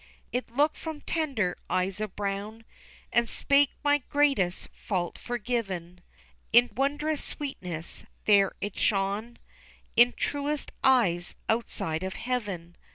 It looked from tender eyes of brown, And spake my greatest fault forgiven, In wondrous sweetness there it shone In truest eyes outside of heaven.